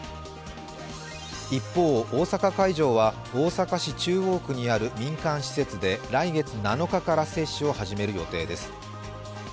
一方、大阪会場は大阪市中央区にある民間施設で来月７日から接種を始める予定です